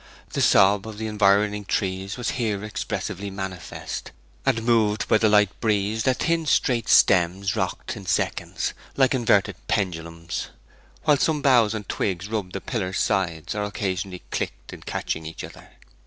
The sob of the environing trees was here expressively manifest; and moved by the light breeze their thin straight stems rocked in seconds, like inverted pendulums; while some boughs and twigs rubbed the pillar's sides, or occasionally clicked in catching each other.